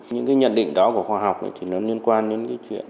những cái nhận định đó của khoa học thì nó liên quan đến cái chuyện